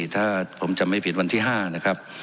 ถ้าผมจำไม่ผิดวันที่๕นะครับ